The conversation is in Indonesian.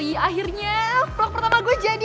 nih akhirnya vlog pertama gue jadi